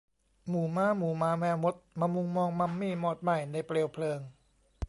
หมู่ม้าหมูหมาแมวมด มามุงมองมัมมี่มอดไหม้ในเปลวเพลิง